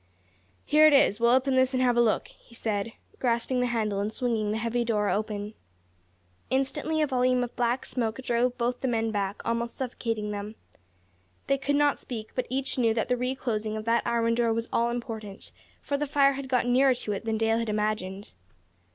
"Here it is; we'll open this and have a look," he said, grasping the handle and swinging the heavy door open. Instantly, a volume of black smoke drove both the men back, almost suffocating them. They could not speak; but each knew that the re closing of that iron door was all important, for the fire had got nearer to it than Dale had imagined.